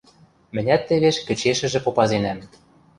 Мӹнят тевеш кӹчешӹжӹ попазенӓм.